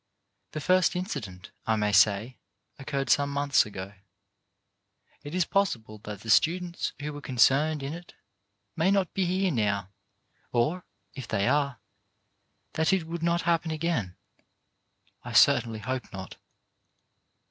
The first incident, I may say, occurred some months ago. It is possible that the students who were concerned in it may not be here now or, if they are, that it would not happen again. I certainly hope not.